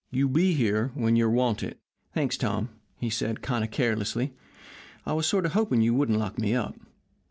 You be here when you're wanted.' "'Thanks, Tom,' he said, kind of carelessly; 'I was sort of hoping you wouldn't lock me up.